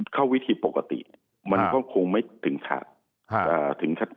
เข้าวิธีปกติมันก็คงไม่ถึงฉาก